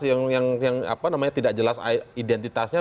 yang apa namanya tidak jelas identitasnya